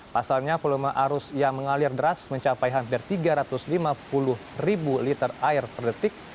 pasalnya volume arus yang mengalir deras mencapai hampir tiga ratus lima puluh ribu liter air per detik